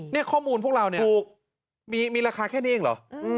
เนี่ยข้อมูลพวกเราเนี่ยถูกมีราคาแค่นี้เองเหรอ